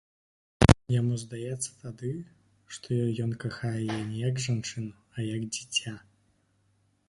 Яму здаецца тады, што ён кахае яе не як жанчыну, а як дзіця.